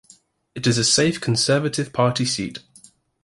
It is a safe Conservative Party seat.